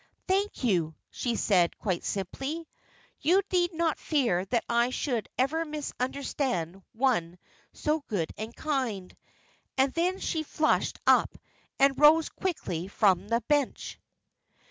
"Thank you," she said, quite simply. "You need not fear that I should ever misunderstand one so good and kind;" and then she flushed up, and rose quickly from the bench.